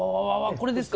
これですか？